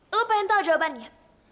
lo pengen tau jawabannya